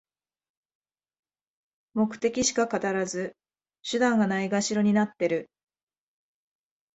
目的しか語らず、手段がないがしろになってる